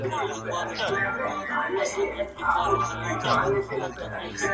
د هغه نثر له نورو څخه بېل رنګ لري تل,